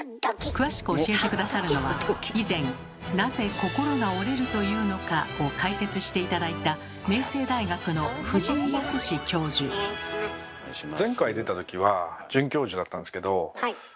詳しく教えて下さるのは以前「なぜ心が折れると言うのか」を解説して頂いたやった！